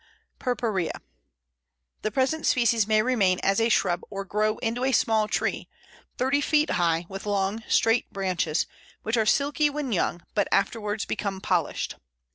purpurea_). The present species may remain as a shrub or grow into a small tree, thirty feet high, with long, straight branches, which are silky when young, but afterwards become polished.